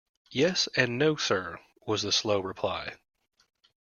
Yes, and no, sir, was the slow reply.